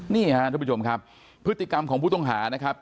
นี่ครับทุกผู้ชมครับพฤติกรรมของผู้ต้องหานะครับ